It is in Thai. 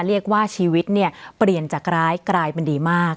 เรียกว่าชีวิตเนี่ยเปลี่ยนจากร้ายกลายเป็นดีมาก